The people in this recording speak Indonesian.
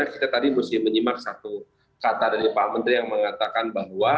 kita tadi mesti menyimak satu kata dari pak menteri yang mengatakan bahwa